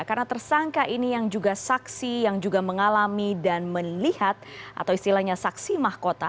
karena tersangka ini yang juga saksi yang juga mengalami dan melihat atau istilahnya saksi mahkota